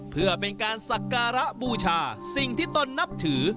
เพื่อเป็นการสักการะบูชาสิ่งที่ตนนับถือ